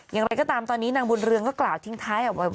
อย่างไรก็ตามตอนนี้นางบุญเรืองก็กล่าวทิ้งท้ายเอาไว้ว่า